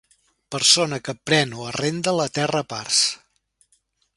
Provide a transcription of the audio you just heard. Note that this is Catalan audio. Persona que pren o arrenda la terra a parts.